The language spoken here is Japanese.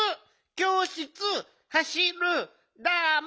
きょうしつはしるダメ！